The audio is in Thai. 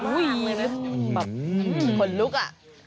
อุ้ยแบบคนลุกอ่ะ